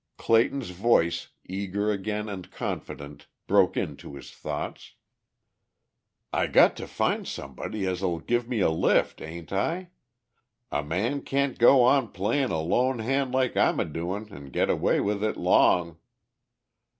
Clayton's voice, eager again and confident, broke into his thoughts. "I got to find somebody as'll give me a lift, ain't I? A man can't go on playin' a lone han' like I'm adoin' an' get away with it long.